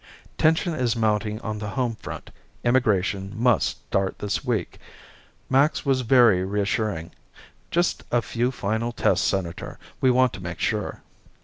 Tension is mounting on the home front. Immigration must start this week. Max was very reassuring. "Just a few final tests, Senator. We want to make sure."